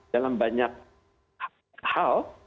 dalam banyak hal